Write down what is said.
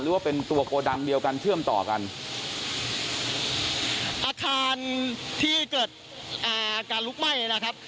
หรือว่าเป็นตัวโกดังเดียวกันเชื่อมต่อกันอาคารที่เกิดอ่าการลุกไหม้นะครับ